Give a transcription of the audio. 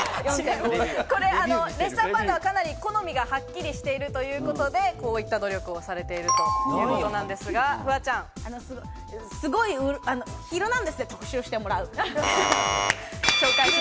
レッサーパンダはかなり好みがはっきりしているということで、こういった努力をされているということなんですが、『ヒルナンデス！』で特集してもらう。